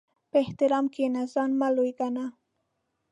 په احترام کښېنه، ځان مه لوی ګڼه.